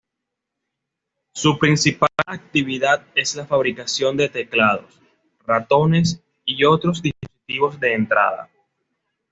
Su principal actividad es la fabricación de teclados, ratones y otros dispositivos de entrada.